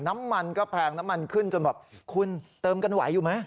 น้ำมันก็แพงน้ำมันขึ้นจนแบบคุณเติมกันไหวอยู่ไหม